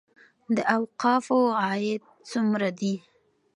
د اوقافو عاید څومره دی؟